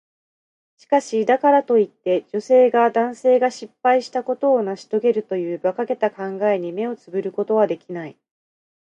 しかし、だからといって、女性が男性が失敗したことを成し遂げるという馬鹿げた考えに目をつぶることはできない。